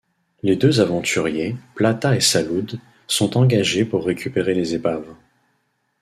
Les deux aventuriers, Plata et Salud, sont engagés pour récupérer les épaves.